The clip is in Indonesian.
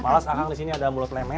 malas akang disini ada mulut lemes